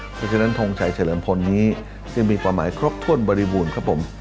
เพราะฉะนั้นทงชัยเฉลิมพลนี้ซึ่งมีความหมายครบถ้วนบริบูรณ์ครับผม